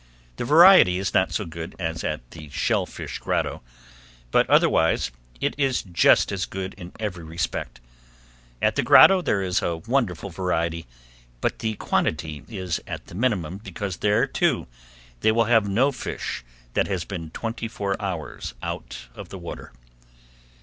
The variety is not so good as at the Shell Fish Grotto, but otherwise it is just as good in every respect. At the Grotto there is a wonderful variety but the quantity is at the minimum because there, too, they will have no fish that has been twenty four hours out of the water.